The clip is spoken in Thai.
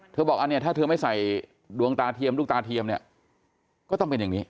บอกอันนี้ถ้าเธอไม่ใส่ดวงตาเทียมลูกตาเทียมเนี่ยก็ต้องเป็นอย่างนี้